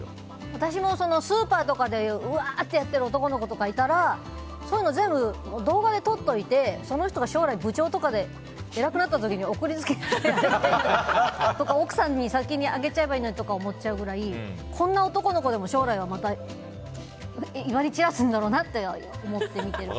私もスーパーとかでうわってやってる男の子とかいたらそういうの全部動画で撮っておいてその人が将来部長とかで偉くなった時に送り付けてやったり奥さんに先にあげちゃえばいいと思っちゃうぐらいこんな男の子でも将来は威張り散らすんだろうなと思って見ている。